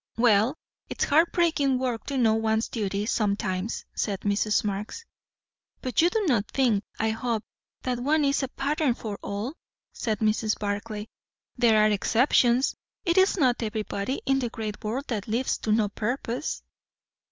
"Well, it's heart breakin' work, to know one's duty, sometimes," said Mrs. Marx. "But you do not think, I hope, that one is a pattern for all?" said Mrs. Barclay. "There are exceptions; it is not everybody in the great world that lives to no purpose."